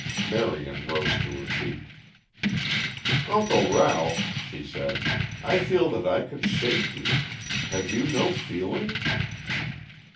Marion rose to her feet. "Uncle Ralph," she said, "I feel that I could shake you. Have you no feeling?"